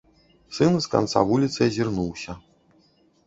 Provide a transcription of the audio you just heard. Сын з канца вуліцы азірнуўся.